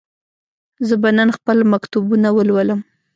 زه به نن خپل مکتوبونه ولولم.